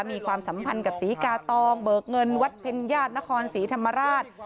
มีความสัมพันธ์กับศรีกาตองเบิกเงินวัดเพ็ญญาตินครศรีธรรมราช